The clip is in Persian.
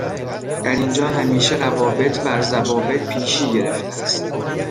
در اینجا همیشه روابط بر ضوابط پیشی گرفته است